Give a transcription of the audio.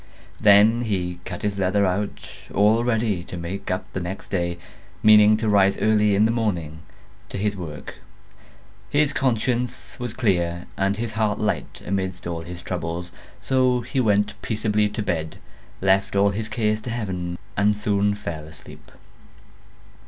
Then he cut his leather out, all ready to make up the next day, meaning to rise early in the morning to his work. His conscience was clear and his heart light amidst all his troubles; so he went peaceably to bed, left all his cares to Heaven, and soon fell asleep.